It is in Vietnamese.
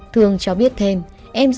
thương cho biết thêm